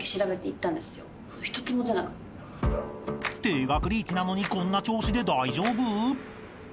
［停学リーチなのにこんな調子で大丈夫？］